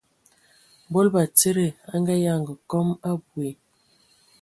Mbol batsidi a nganyanga kom abui,